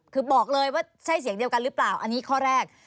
คือบอกเลยว่าใช่เสียงเดียวกันหรือเปล่าอันนี้ข้อแรก